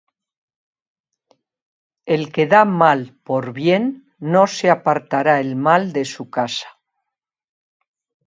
El que da mal por bien, No se apartará el mal de su casa.